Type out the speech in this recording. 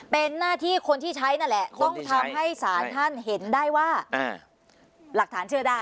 เป็นหน้าที่คนที่ใช้นั่นแหละต้องทำให้สารท่านเห็นได้ว่าหลักฐานเชื่อได้